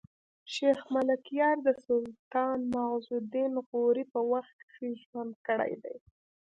شېخ ملکیار د سلطان معز الدین غوري په وخت کښي ژوند کړی دﺉ.